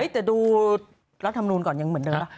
แต่ดูรัฐธรรมนูลก่อนยังเหมือนเดิมนะ